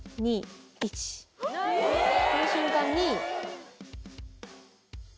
この瞬間に。